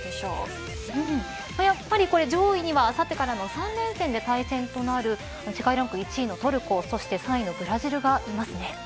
やっぱり上位にはあさってからの３連戦で対戦する世界ランク１位のトルコそして３位のブラジルがいますね。